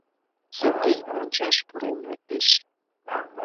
Сергей мончаш пурен лектеш.